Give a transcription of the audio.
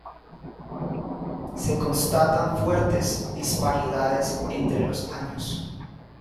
Se constatan fuertes disparidades entre los años.